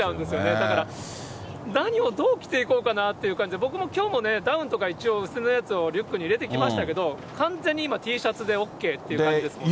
だから、何をどう着ていこうかなっていう感じで、僕もきょうね、ダウンとか、一応薄手のやつをリュックに入れてきましたけれども、完全に今、ＴシャツでＯＫという感じですもんね。